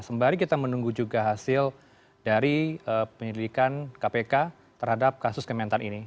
sembari kita menunggu juga hasil dari penyelidikan kementerian pertanian pertanian